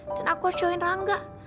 dan aku harus join rangga